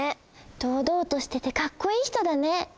どうどうとしててかっこいい人だね。